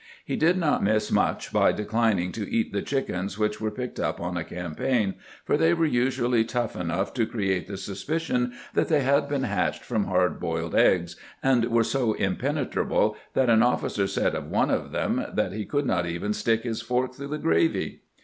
He did not miss much by declining to eat the chickens which were picked up on a campaign, for they were usually tough enough to create the suspicion that they had been hatched from hard boiled eggs, and were so impenetrable that an officer said of one of them that he could not even stick his fork through the gravy.